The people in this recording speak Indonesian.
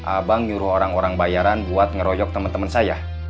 abang nyuruh orang orang bayaran buat ngeroyok teman teman saya